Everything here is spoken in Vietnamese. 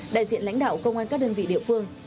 đại diện lãnh đạo công an các đơn vị địa phương